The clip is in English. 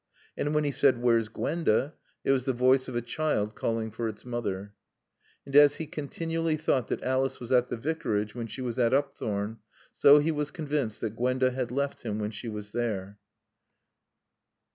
And when he said, "Where's Gwenda?" it was the voice of a child calling for its mother. And as he continually thought that Alice was at the Vicarage when she was at Upthorne, so he was convinced that Gwenda had left him when she was there.